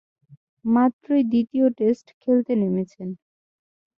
মাত্রই দ্বিতীয় টেস্ট খেলতে নেমেছেন।